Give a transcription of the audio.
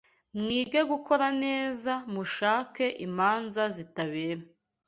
Mwige gukora neza, mushake imanza zitabera